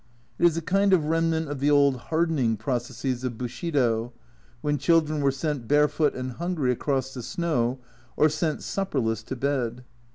It is a kind of remnant of the old "harden ing" processes of Bushido, when children were sent barefoot and hungry across the snow, or sent supper less to bed.